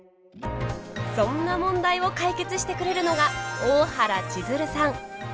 そんな問題を解決してくれるのが大原千鶴さん。